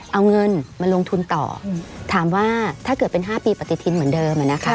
เอาเงินมาลงทุนต่อถามว่าถ้าเกิดเป็น๕ปีปฏิทินเหมือนเดิมอะนะคะ